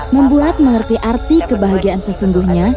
membuat mengerti arti kebahagiaan sesungguhnya